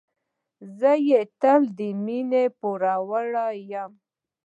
زه یې تل د مينې پوروړی یم.